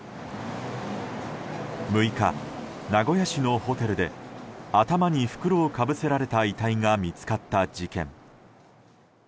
６日、名古屋市のホテルで頭に袋をかぶせられた遺体が見つかった事件。